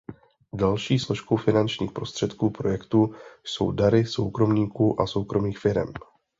Další složkou finančních prostředků projektu jsou dary soukromníků a soukromých firem.